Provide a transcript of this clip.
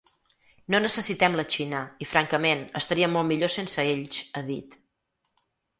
No necessitem la Xina i, francament, estaríem molt millor sense ells, ha dit.